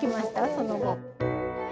その後。